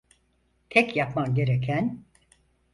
Tek yapman gereken…